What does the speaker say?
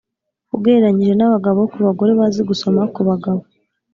ugereranyije n abagabo ku bagore bazi gusoma ku bagabo